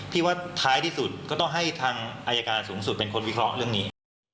ที่ว่าท้ายที่สุดก็ต้องให้ทางอายการสูงสุดเป็นคนวิเคราะห์เรื่องนี้